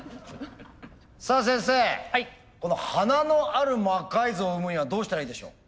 さあ先生この華のある魔改造を生むにはどうしたらいいでしょう？